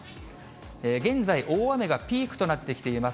現在、大雨がピークとなってきています。